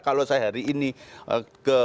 kalau saya hari ini ke